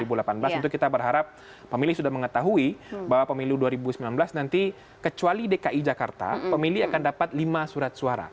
tentu kita berharap pemilih sudah mengetahui bahwa pemilu dua ribu sembilan belas nanti kecuali dki jakarta pemilih akan dapat lima surat suara